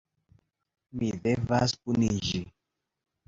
Mi devas puniĝi.